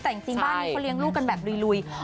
แต่จริงบ้านนี้เขาเลี้ยงลูกกันแบบลุย